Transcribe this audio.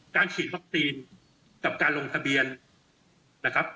ฉีดวัคซีนกับการลงทะเบียนนะครับ